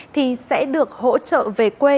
thì sẽ được hỗ trợ về quê